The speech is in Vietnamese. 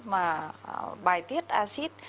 mà bài tiết acid